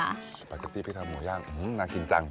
ปาเกตตี้พี่ทำหมูย่างน่ากินจัง